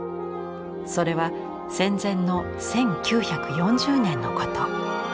それは戦前の１９４０年のこと。